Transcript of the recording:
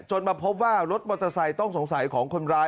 มาพบว่ารถมอเตอร์ไซค์ต้องสงสัยของคนร้าย